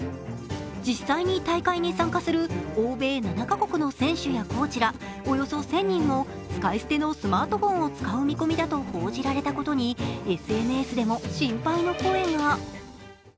実際に大会に参加する欧米７カ国の選手やコーチら、およそ１０００人も使い捨てのスマートフォンを使う見込みだと報じられたことに、ＳＮＳでも心配の声が。